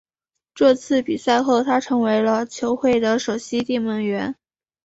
这场比赛后他成为了球会的首席定门员。